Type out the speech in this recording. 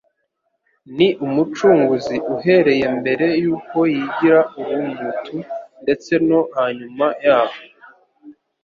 Ni Umucunguzi uhereye mbere yuko yigira urumutu ndetse no hanyuma yaho.